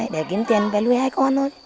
để kiếm tiền về nuôi hai con thôi